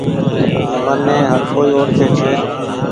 مني هر ڪوئي اوڙکي ڇي۔